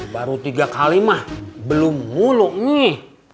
baru tiga kali mah belum mulu mi